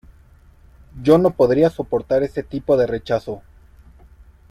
¡ Yo no podría soportar ese tipo de rechazo!